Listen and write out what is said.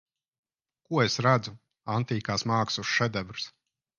Ko es redzu Antīkās mākslas šedevrs.